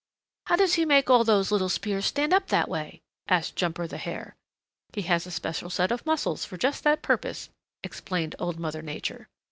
"How does he make all those little spears stand up that way?" asked Jumper the Hare. "He has a special set of muscles for just that purpose," explained Old Mother Nature.